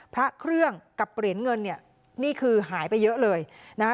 พระเครื่องกับเหรียญเงินเนี่ยนี่คือหายไปเยอะเลยนะคะ